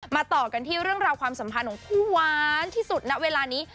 ต่อกันที่เรื่องราวความสัมพันธ์ของคู่หวานที่สุดณเวลานี้